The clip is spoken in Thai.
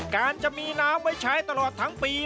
การจะมีน้ำไว้ใช้ตลอดทั้งปี